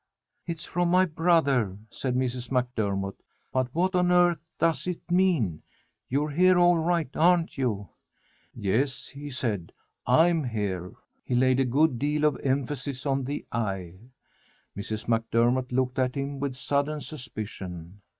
"It's from my brother," said Mrs. MacDermott, "but what on earth does it mean? You're here all right, aren't you?" "Yes," he said, "I'm here." He laid a good deal of emphasis on the "I." Mrs. MacDermott looked at him with sudden suspicion.